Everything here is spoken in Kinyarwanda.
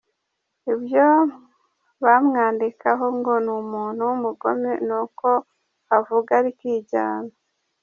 Ibyo bamwandikaho ngo ni umuntu w’umugome, ni uko avuga rikijyana.